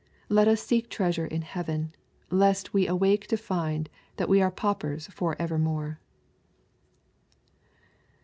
Let us seek treasure in heaven, lest we awake to find that we are paupers for evermore.